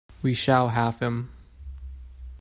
We shall have him.